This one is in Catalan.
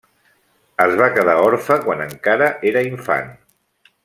Es va quedar orfe quan encara era infant.